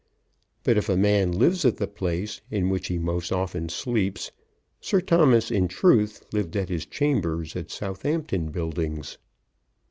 But if a man lives at the place in which he most often sleeps, Sir Thomas in truth lived at his chambers at Southampton Buildings.